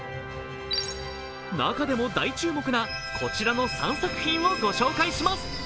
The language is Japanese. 中でも大注目なこちらの３作品をご紹介します。